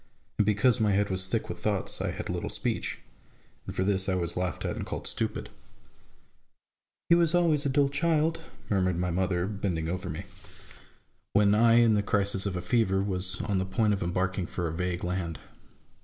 And because my head was thick with thoughts, I had little speech; and for this I was laughed at and called stupid :" He was always a dull child," murmured my mother, bending over me, 62 A BOOK OF BARGAINS. when I, in the crisis of a fever, was on the point of embarking for a vague land.